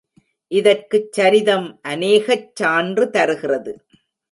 இதற்குச் சரிதம் அனேகச் சான்று தருகிறது.